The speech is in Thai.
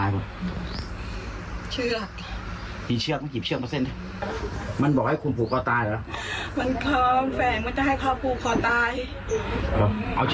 เมื่อกี้คุณบอกว่าคุณอยากผูกเข้าใจ